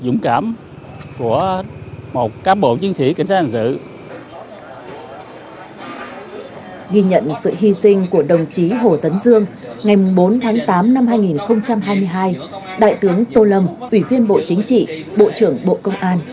ngày bốn tháng tám năm hai nghìn hai mươi hai đại tướng tô lâm ủy viên bộ chính trị bộ trưởng bộ công an